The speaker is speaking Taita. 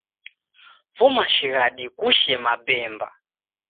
Fuma shighadi kushee mabemba.